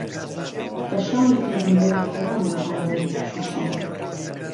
به شاڵی پێغهمبهری حهرامه ئاوێ شووشان